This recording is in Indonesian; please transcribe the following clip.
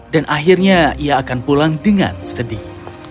dan akhirnya ia akan pulang dengan sedih